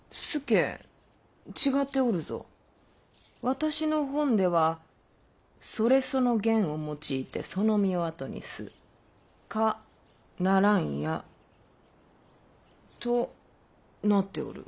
私の本では「夫れ其の言を用いて其の身を後にす可ならんや」となっておる。